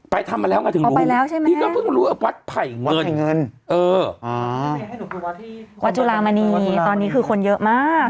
ไปทำมาแล้วก็ถึงรู้อาวัสแผ่งเงินอ๋ออ๋อวัดจุรามานีตอนนี้คือคนเยอะมาก